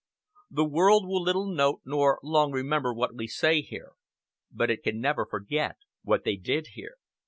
The world will little note nor long remember what we say here, but it can never forget what they did here.